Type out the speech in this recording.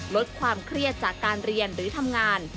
ลดความเครียดจากการเรียนหรือทำงาน